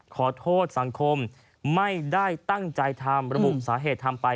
ขอโทษสังคมไม่ได้ตั้งใจทำระบุสาเหตุทำไป